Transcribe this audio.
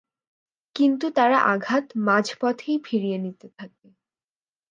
কিন্ত তারা আঘাত মাঝপথেই ফিরিয়ে নিতে থাকে।